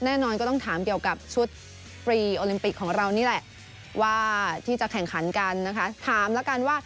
ก็แน่นอนก็ต้องถามเกี่ยวกับชุดปรีอลิมปิกของเราที่จะแข่งขันกันนะคะ